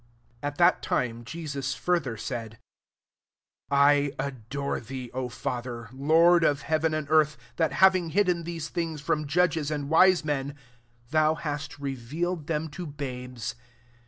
25 At that time Jesus further said, " I adore thee, O Father, Lord of Heaven and earth, that having hidden these things from judges and wise men, thou hast revealed them to babes.